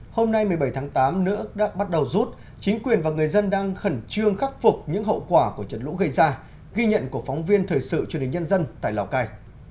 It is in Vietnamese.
hôm nay một mươi bảy tháng tám nữa đã bắt đầu rút chính quyền và người dân đang khẩn trương khắc phục những hậu quả của trận lũ gây ra ghi nhận của phóng viên thời sự truyền hình nhân dân tại lào cai